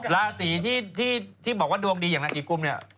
ราศีที่บอกว่าดวงดีอย่างนักกิตกุมอ่ะ